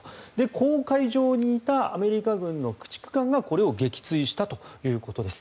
公海上にいたアメリカ軍の駆逐艦がこれを撃墜したということです。